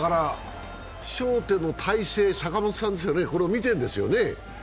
ショートの体勢、坂本さんですよね、見てるんですよね。